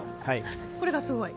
これがすごいと。